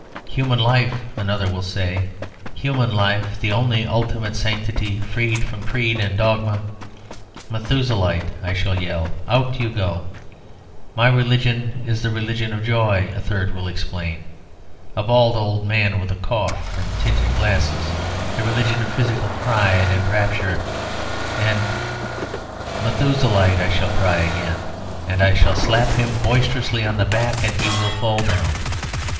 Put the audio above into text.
"Human Life," another will say, "Human Life, the only ultimate sanctity, freed from creed and dogma...." "Methuselahite!" I shall yell. "Out you go!" "My religion is the Religion of Joy," a third will explain (a bald old man with a cough and tinted glasses), "the Religion of Physical Pride and Rapture, and my...." "Methuselahite!" I shall cry again, and I shall slap him boisterously on the back, and he will fall down.